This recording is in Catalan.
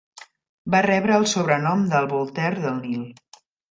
Va rebre el sobrenom de "El Voltaire de Nil".